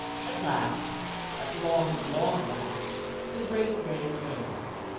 At last, at long, long last the Great Day came.